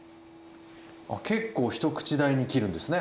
結構一口大に切るんですね。